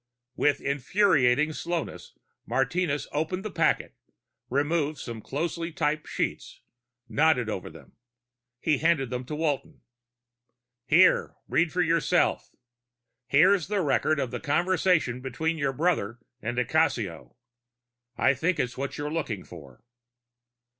With infuriating slowness, Martinez opened the packet, removed some closely typed sheets, nodded over them. He handed them to Walton. "Here. Read for yourself. Here's the record of the conversation between your brother and di Cassio. I think it's what you're looking for."